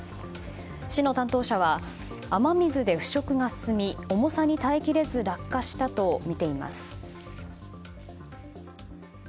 市の担当者は雨水で腐食が進み重さに耐えきれず落下したとみています。